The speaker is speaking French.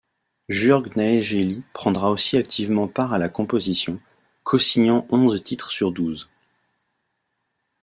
Jürg Naegeli prendra aussi activement part à la composition, co-signant onze titres sur douze.